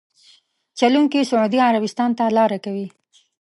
چلونکي سعودي عربستان ته لاره کوي.